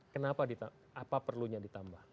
kenapa apa perlunya ditambah